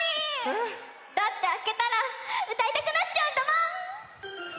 えっ？だってあけたらうたいたくなっちゃうんだもん！